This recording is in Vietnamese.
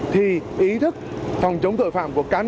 thì ý thức phòng chống tội phạm của cá nhân